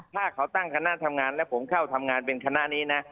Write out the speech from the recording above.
ถ้าเขาตั้งคณะทำงานแล้วผมเข้าทำงานเป็นคณะนี้นะ